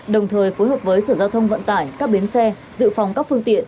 đồng thời phối hợp với sở giao thông vận tải các bến xe dự phòng các phương tiện